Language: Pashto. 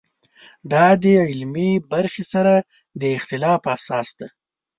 دا د علمي برخې سره د اختلاف اساس دی.